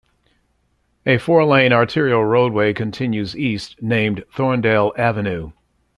A four-lane arterial roadway continues east, named Thorndale Avenue.